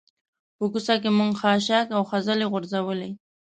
په کوڅه کې موږ خاشاک او خځلې غورځولي.